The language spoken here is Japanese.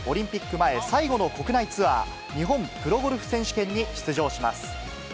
前最後の国内ツアー、日本プロゴルフ選手権に出場します。